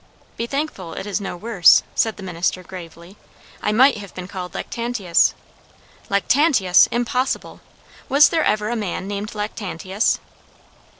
"Be thankful it is no worse," said the minister gravely. "I might have been called Lactantius." "Lactantius! Impossible. Was there ever a man named Lactantius?"